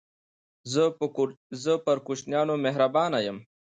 زه پر کوچنيانو مهربانه يم.